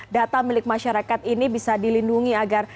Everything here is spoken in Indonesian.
data milik masyarakat ini bisa dilindungi agar